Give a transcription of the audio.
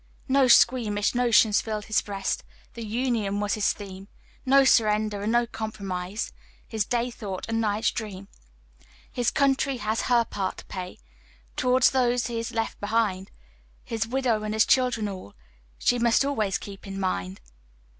No squeamish notions filled his breast, The Union was his theme; "No surrender and no compromise," His day thought and night's dream. His Country has her part to pay To'rds those he has left behind; His widow and his children all, She must always keep in mind.